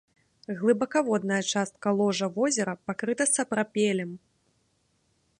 Глыбакаводная частка ложа возера пакрыта сапрапелем.